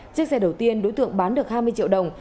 chiếc xe đầu tiên đối tượng bán được hai mươi triệu đồng